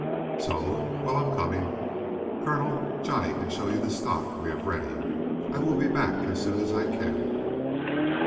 "So? Well. I'm coming. Coronel, Johnny can show you the stock we have ready. I will be back as soon as I can."